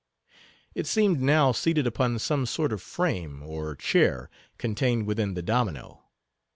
It seemed now seated upon some sort of frame, or chair, contained within the domino.